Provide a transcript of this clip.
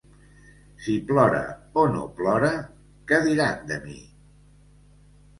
Si plora o no plora, què diran de mi?